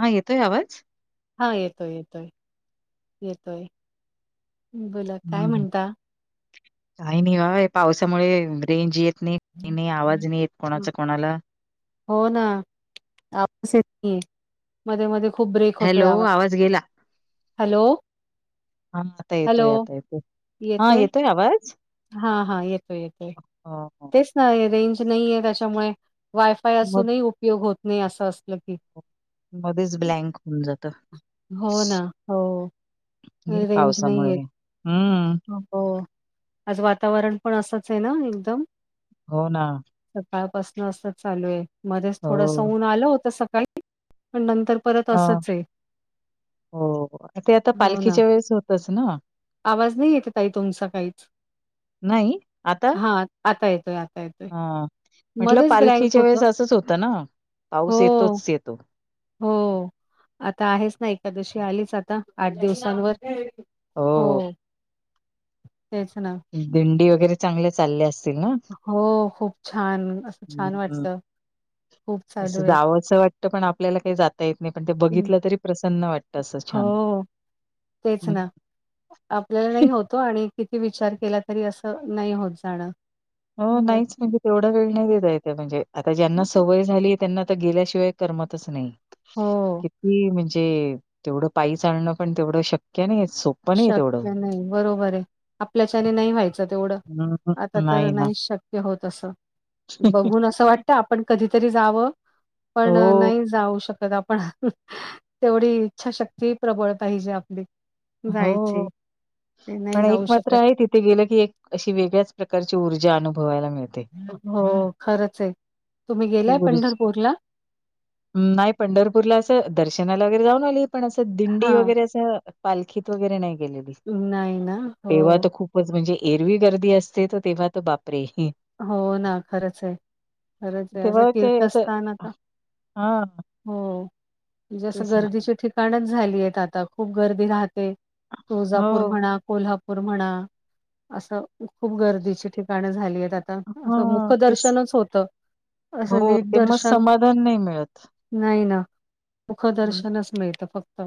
हा येतोय आवाज? येतोय येतोय येतोय बोला काय हम्म. म्हणता काही नाही बा पावसामुळे रेंज येत नाही का नाही आवाज नाही येत कोणाचा कोणाला हो ना आपस येत नाही मध्ये मध्ये खूप ब्रेक होतो हॅलो यावर आवाज गेला. हॅलो हा आता हॅलो येतोय आता येतोय हा येतोय आवाज हा हा येतोय येतोय ह नाही रेंज नाही त्याच्यामुळे वायफाय मग असूनही उपयोग होत नाही अस अस मध्येच ब्लँक होऊन जात हो ना हो हे रेंज नाही पावसामुळे. आहेत हम्म. हो आज वातावरण पण असंच आहे ना एकदम हो ना सकाळपासन असं चालू आहे मध्येच थोडस हो. ऊन आलं होत सकाळी पण नंतर परत हा. असच आहे हो ते आता हो ना पालखीच्या वेळेस होतच ना आवाज नाही येत आहे ताई तुमचा काहीच. नाही आता हां, आता येतोय येतोय. हा म्हटलं मध्येच ब्लँक पालखीच्या वेळेस होतं. असंच होतं ना हो, पाऊस येतोच येतो हो आता आहेच ना एकादशी आलीच आता आठ दिवसांवर हो तेचच ना दिंडी वगैरे चांगले चालले असतील ना हो खूप छान असं छान वाटत अस जावं असं वाटतं पण आपल्याला काही जाता येत नाही पण ते हं, बघितलं तरी प्रसन्न वाटत हो तेच ना आपल्याला नाही होतो आणि किती विचार केला तरी असं नाही होत जाणं हो नाहीच म्हणजे तेवढा वेळ नाही देत येत म्हणजे आता ज्यांना सवय झाली त्यांना तर गेल्याशिवाय करमतच नाही हो, किती म्हणजे तेवढं पाी चालणं पण तेवढं शक्य नाही सोप शक्य नाही बरोबर आहे आपल्याच्याने नाही व्हायचं तेवढं हं, आता हं. तर ना. नाही शक्य होत अस बघून असं वाटत आपण कधीतरी जावं पण हो, नाही जाऊ शकत आपण तेवढी इच्छाशक्ती प्रबळ पाहिजे आपली जायची. हो ते नाही पण एक जाऊ मात्र शकत. आहे तिथ ते गेलं की एक अशी वेगळ्याच प्रकारची ऊर्जा अनुभवायला मिळते हो खरंच आहे तुम्ही ती गेलाय ऊर्जा पंढरपूर ला नाही पंढरपूरला असं दर्शनाला वगैरे जाऊन आली. पण असं दिंडी हां. वगैरे असं पालखीत वगैरे नाही गेलेली नाही ना? तेव्हा हो. तर खूप म्हणजे एरवी गर्दी असते त तेव्हा तो बापरे हो ना खरंच आहे खरंच आहे असं तेव्हा काय असं तीर्थस्थान आता हां, हो जस तेच ना. गर्दीचे ठिकाणच झालीय आता खूप गर्दी राहते. तुळजापूर हो. म्हणा कोल्हापूर म्हणा असं खूप गर्दीची ठिकाण झाली आहेत आ असं हां, तेच. मुखदर्शनच होतं असं हो, नीट ते मग दर्शन समाधान नाही मिळत. नाही ना मुख हं, दर्शनच मिळतं फक्त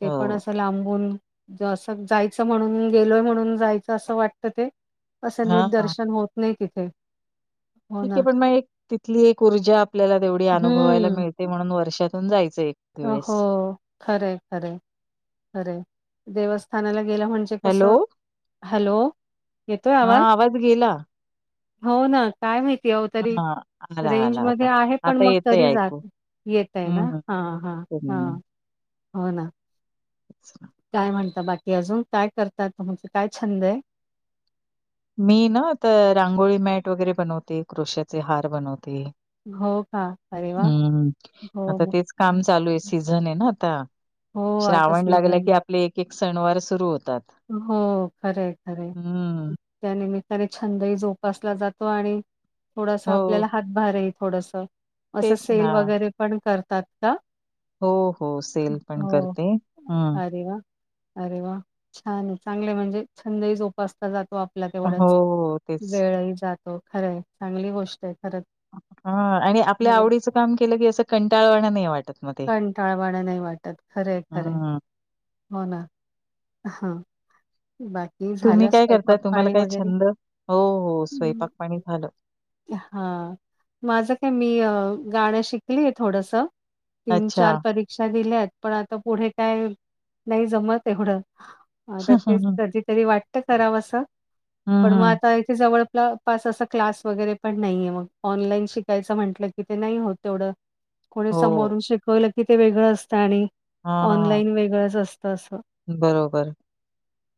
ते पण हो. असं लांबून जसं जायचं म्हणून गेलोय म्हणून जायचं असं वाटतं ते असं नीट हां, दर्शन होत. नाही तिथे. हो ठीक ना. आहे पण मग एक तिथली एक ऊर्जा आपल्याला तेवढी अनुभवायला हम्म. मिळते म्हणून वर्षातून जायचं एक हो वेळेस. खरे, खरे, खरे देवस्थानाला गेलं म्हणजे ते हॅलो? कसं हॅलो येतोय आवाज हां, गेला. होना. काय माहिती अ तरी हां, आला, रेंज आला मध्ये आता. आहे पण आता मग येतंय तरी ऐकू. जात येतोय हं, ना हं. हा हा.. हम्म. हो ना. अच्छा [unintelligible] काय म्हणतात बाकी अजून काय करतात तुमचा काय छंद आहे? मी ना तर रांगोळी मॅट वगैरे बनवते क्रृशाचे हार बनवते.. हो का अरे वा हम्म हो आता मग तेच काम चालू आहे सीझन आहे ना आता. हो आता श्रावण लागलं सीझन की आपले एक, एक सणवार सुरू होतात.. हो खर आहे खर आहे. हम्म. त्या निमित्ताने छंदही जोपासला जातो आणि थोडासा हो, आपल्याला हात भारी आहे थोडस असं तेच सेल ना. वगैरे पण करतात का? हो हो सेल पण हो करते हम्म. अरे वा.. अरे वा छान आहे चांगले म्हणजे छंदही जोपासला जातो आप आपल हो, तेवढंच हो तेच. वेळही जातो खरं आहे चांगली गोष्ट आहे खर ह आणि आपल्या आवडीचं काम केलं की असं कंटाळवाना नाही वाटत. मग ते. कंटाळवाण नाही वाटत खरे हे खरे हे.. हं. हो ना हा बाकी? तुम्ही झालं काय करताय स्वयंपाक तुम्हाला पाणी काय वगैरे? छंद? हो हो स्वयंपाक पाणी झालं. हा माझं काय मी गाणं शिकलीय थोडस तीन, अच्छा. चार परीक्षा दिल्यात पण आता पुढे काय नाही जमत एवढ. आता हं, तेच हं, हं. कधीतरी वाटत करावं असं हं, पण मग हं. आता जवळ पास असा क्लास वगैर पण नाहीये मग ऑनलान शिका म्हटकी ते नाही होत तेवढ हो. समोरुन कल की ते वेगळं असतं आणि हां. ऑनलाईन वेगळंच असतं असं. बरोबर.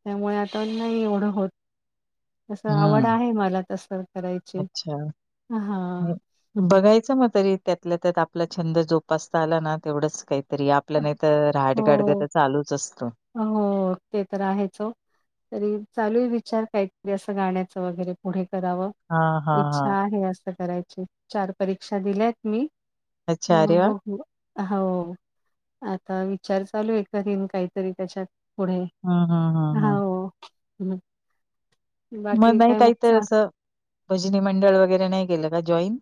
त्यामुळे आता नाही एवढं होत तसं आवड हं. आहे मला तसं करायची. अच्छा हां. बघा त्यातल्या त्यात आपला छंद जोपासता आला तेवच काहीतरी आपल्या नाही तर राहाडगाडग हो. तर चालूच असतो. हो ते तर आहेच हो. तरी चालू आहे विचार काहीतरी असं गाण्याचं वगैरे पुढे कराव. हां, हां, इच्छा हां. आहे असं करायची चार परीक्षा दिल्यात मी. अच्छा, अरे म वाह! भरपूर हो.. आता विचार चालू करिन काहीतरी त्याच्या पुढे हं, हं, हं, हं. हो... [unintelligible] मग नाही काय काहीतर चा असं, भजनी मंडळ वगैरे नाही गेलं का जॉईन?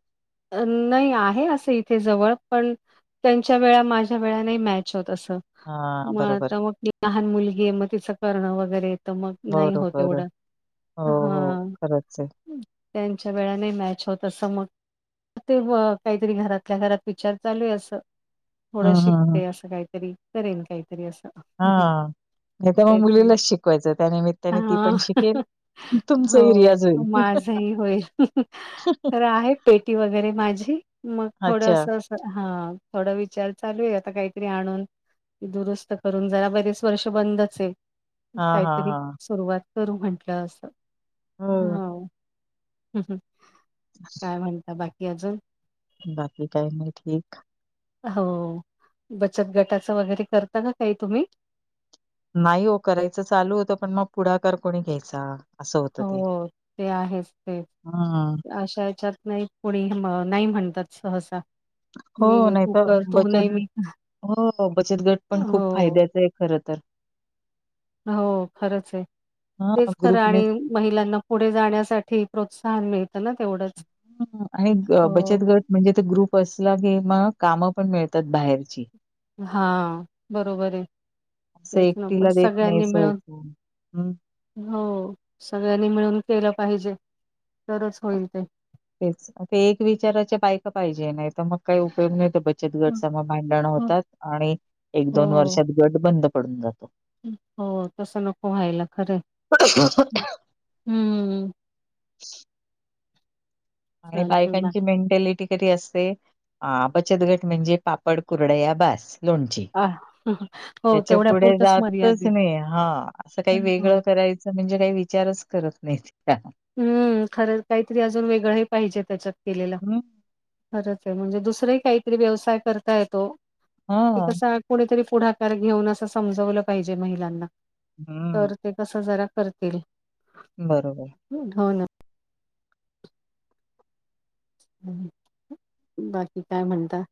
अ नाही, आहे असं इथे जवळ पण त्यांच्या वेळा माझ्या वेळा नाही मॅच होत असं. हा मग आता मग लहान मुलगी आहे, मग तिचं करणं वगैरे तर मग नाही होत बरोबर. एवढं. हो हो, हां. खरंच आहे. त्यांच्या वेळा नाही मॅच होत असं मग. ते काहीतरी घरातल्या घरात विचार चालूय आहे असं, हं, थोडशी हं, ते हं. असं काहीतरी, करेन काहीतरी असं. हा नाही तर मग तेच ना मुलीलाच शिकवायचं त्यानिमित्ताने ती पण शिकेल, हा तुमचा ही रियाज होईल. होय, आहे पेटी वगैरे माझी मग थोडं अच्छा. असं हा, थोडा विचार चालू आहे आता काहीतरी आणून दुरुस्त करून जरा बरेच वर्ष बंदच आहे. हां, हां, काहीतरी हां. सुरुवात करू म्हटलं असं, हो. [unintelligible] [unintelligible] काय म्हणता बाकी अजून? बाकी काय नाही ठीक. हो, बचत गटाचं वगैरे करता काय तुम्ही? नाही हो, करायचं चालू होतं पण मग पुढाकार कोणी घ्यायचा? असं होतं ते. हो ते आहेच ते, हम्म. अशा याच्यात नाही कोणी नाही म्हणतात सहसा. हो, मी नाही तू तर कर, तू नाही बचत मी हो, बचत गट पण खूप हो, फायद्याचं आहे खरं तर. हो खरंच आहे, हा तेच खरं ग्रुपने आणि महिलांना पुढे जाण्यासाठी प्रोत्साहन मिळ त ना तेवढं आणि बचत गट म्हणजे ते ग्रुप असला की मग, कामं पण मिळतात बाहेरची. हा बरोबर आहे. असं तेच ना पण एकटीला देत नाही सगळ्यांनी मिळून सहसा. हम्म. हो, सगळ्यांनी मिळून केलं पाहिजे तरच होईल ते. तेच, ते एक विचाराच्या बायका पाहिजे, नाही तर मग काय उपयोग नाही चत गट हं, चा मग भांडण हं. होतात, आणि एक दोन हो, वर्षात गट बंद पडून जातो. हो तसं नको व्हायला खरं, जातो. हम. काय चालतय ना बायकांची मेंटॅलिटी री असते. अ बचत गट म्हणजे पापड, कुरडया बस लोणची. अ त्याच्या पुढे जातच नाही. हा असं काही वेगळं हो. कराय च म्हणजे काही विचारच करत नाहीत ह्या. हम्म खरं काहीतरी अजून वेगळंही पाहिजे त्याच्यात केलेलं. हं. खरंच आहे, म्हणजे दुसरंही काहीतरी व्यवसाय करता येतो, की हां. कसा कोणीतरी पुढाकार घेऊन असं समजवलं पाहिजे महिलांना. हम. तर ते कसं जरा करतील. बरोबर. हो ना. बाकी काय म्हणताय?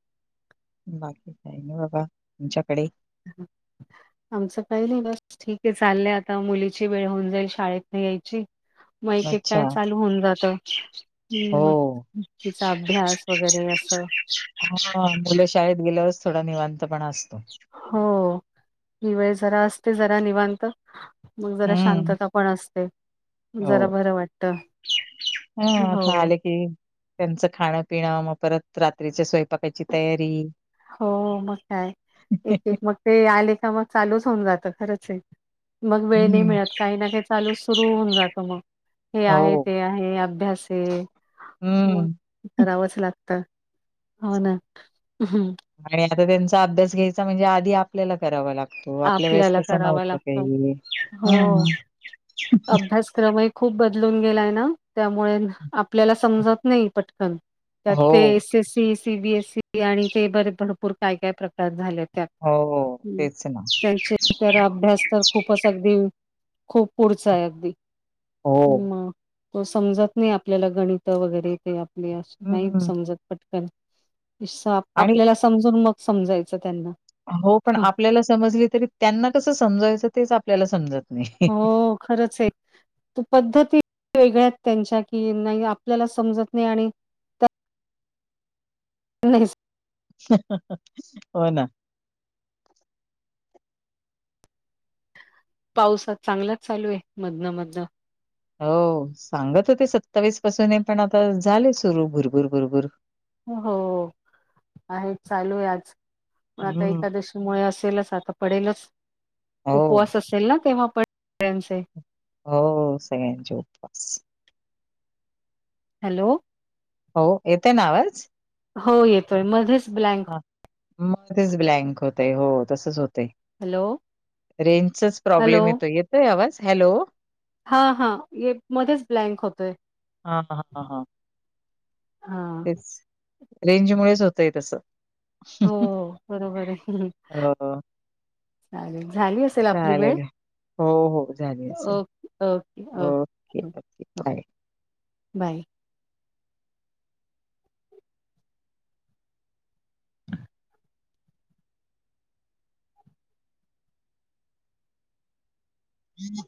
बाकी काही नाही बघा, तुमच्याकडे हम. [unintelligible] आमचं काही नाही बस ठीक आहे चाललंय आता मुलीची वेळ होऊन जाईल शाळेत नाही यायची... मग एक अच्छा. काय चालू होऊन जात.... हम् हो. मग तिचा अभ्यास वगैरे असं... हा मुलं शाळेत गेल्यावरच थोडा निवांतपणा असतो..... हो ही वेळ जरा असते जरा निवांत मग जरा हं. शांतता.... पण असते जरा हो. बर वाटत हां, आता हो. आले की त्यांचं खाण पिणं मग परत.... रात्रीच्या स्वयंपाकायची तयारी. हो, मग काय. एक-एक मग ते आले का मग चालूच होऊन जातं खरंच आहे..... मग वेळ नाही हं. मिळत काही ना काही चालू सुरू होऊन जात मग हे आहे हो. ते. हे अभ्यास मग हम्म. करावंच लागतं..... होना हम्.... आणि आता त्यांचा अभ्यास घ्यायचा म्हणजे आधी आपल्याला करावा लागतो.... त आपल्या वेळेस आपल्याला तसं करावं नव्हत लागतं. काही हम..... अभ्यासक्रम..... खूप बदलून गेलाय ना त्यामुळे आपल्याला समजत नाही पटकन.... त्यात हो, ते एसएससी सीबीएससी आणि ते बरे भरपूर काय काय प्रकार झाले.... त्यात. हो हं. तेच समज... त्यांचे तर अभ्यास तर खूपच अगदी खूप पुढचा आहे अगदी. हो. मग तो समजत नाही आपल्याला गणित वगैरे ते.... नाही हं. समजत पटकन आणि आपल्याला.... समजून मग समजायचं त्यांना... हो पण हं. आपल्याला समजली तरी त्यांना कसं समजावायचं तेच आपल्याला समजत नाही. खरंच एक.... त पद्धती वेगळ्यात त्यांच्या की नाही आपल्याला समजत नाही आणि.... नाही.... होय ना.... पाऊसात चांगलाच चालू आहे मधनं मधनं.... हो सांगत होते सत्तावीस पासून पण आता झाले सुरू भरभूर भरभूर.... हो आहे चालू आहे आज आता हं. एकादशी..... त्यामुळे असेलच आता पडेलच हो, उपवास असेल ना तेव्हा पण सगळ्याचे.... हो हो सगळ्यांचे उपवास..... हॅलो.... हो येते ना आवाज... हो येतोय मध्येच ब्लँक... ह मग तेच ब्लँक होतय हो तसच होतय... हॅलो रेंजचाच हॅलो प्रॉब्लेम येतो येतोय आवाज हॅलो... हा हा मध्येच ब्लँक होतोय... हा हां हा हा तेच रेंज मुळेच होतंय तसं... हो बरोबर आहे हो. चालेल झाली असेल आपली वेळ.... चालेल. हो, हो. झाली असेल. Okay okay okay... okay. Bye. Bye.... ह्.....